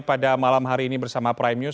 pada malam hari ini bersama prime news